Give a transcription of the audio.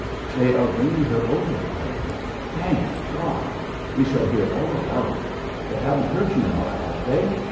"They are bringing her over," cried he. "Thank God! We shall hear all about it. They haven't hurt you, Norah, have they?"